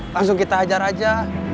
langsung kita maju saja